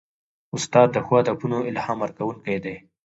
استاد د ښو هدفونو الهام ورکوونکی دی.